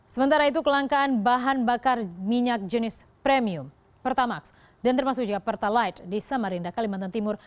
sementara itu kelangkaan bahan bakar minyak jenis premium pertamax dan termasuk juga pertalite di samarinda kalimantan timur